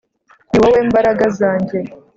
Ni wowe mbaraga zanjye